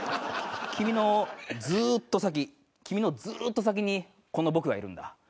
君のずーっと先君のずーっと先にこの僕がいるんだ。